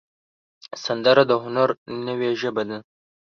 سندره د هنر نوې ژبه ده